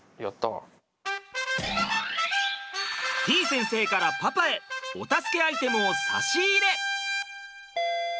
先生からパパへお助けアイテムを差し入れ！